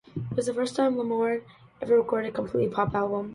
It was the first time Lamond ever recorded a completely pop album.